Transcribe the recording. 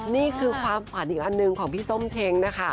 นี่คือความฝันอีกอันหนึ่งของพี่ส้มเช้งนะคะ